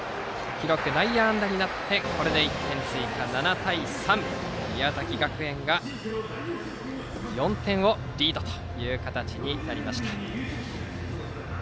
記録は内野安打になってこれで１点追加で７対３。宮崎学園が４点をリードという形になりました。